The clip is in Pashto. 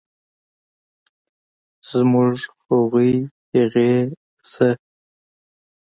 زموږ، هغوی ، هغې ،زه